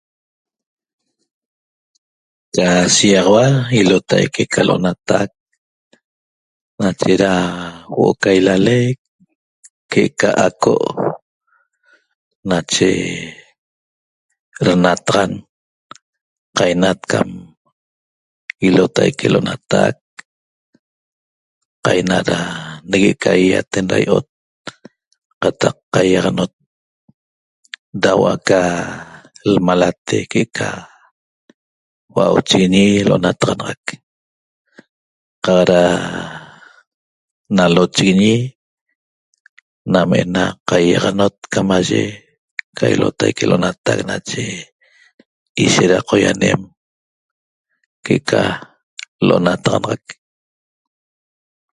Ca shiýaxaua ilotaique ca l'onatac nache da huo'o ca ilalec que'eca aco' nache denataxan qainat cam ilotaique l'onatac qainat da negue't ca ýaýaten da i'ot qataq qaiaxanot da huo'o aca lmalate que'eca hua'auchiguiñi l'onataxanaxac qaq da nalochiguiñi nam ena qaýiaxanot camaye ca ilotaique ca l'onatac nache ishet da qoianem que'eca l'onataxanaxac